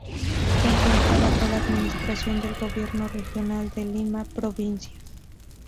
Se encuentra bajo la administración del Gobierno regional de Lima-Provincias.